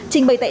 trình bày tại